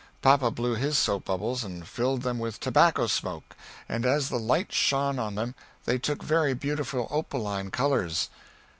Papa blew his soap bubles and filled them with tobacco smoke and as the light shone on then they took very beautiful opaline colors.